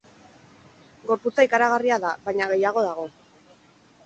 Gorputza ikaragarria da, baina gehiago dago.